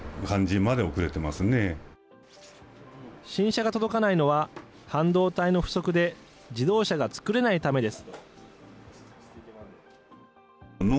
新車が届かないのは、半導体の不足で、自動車が作れないためです。